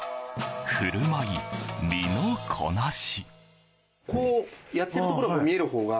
ふるまい、身のこなし。